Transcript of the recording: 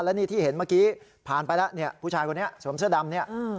และนี่ที่เห็นเมื่อกี้ผ่านไปแล้วเนี่ยผู้ชายคนนี้สวมเสื้อดำเนี่ย